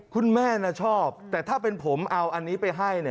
คุณแม่ชอบแต่ถ้าเป็นผมเอาอันนี้ไปให้